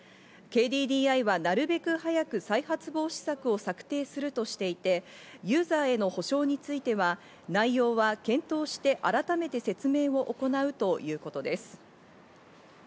ＫＤＤＩはなるべく早く再発防止策を策定するとしていて、ユーザーへの補償については内容は検討して改めて説明を行うということです。